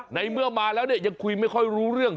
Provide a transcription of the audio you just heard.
ในเมื่อมาแล้วเนี่ยยังคุยไม่ค่อยรู้เรื่อง